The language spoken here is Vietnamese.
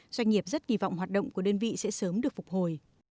doanh nghiệp rất kỳ vọng hoạt động của đơn vị sẽ sớm được phục hồi